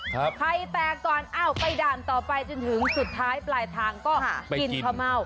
ใครแตกก่อนอ้าวไปด่านต่อไปจนถึงสุดท้ายปลายทางก็กินข้าวเม่า